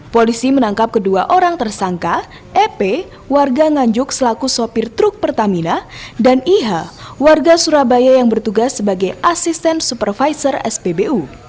polisi menangkap kedua orang tersangka ep warga nganjuk selaku sopir truk pertamina dan iha warga surabaya yang bertugas sebagai asisten supervisor spbu